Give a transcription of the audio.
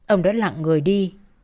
ông đã lặng người đi